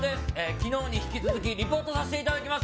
昨日に引き続きリポートさせていただきます。